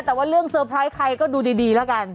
แต่ว่าเรื่องเซอร์ไพรส์ใครก็ดูดีแล้วกัน